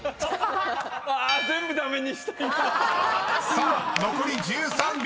［さあ残り１３秒。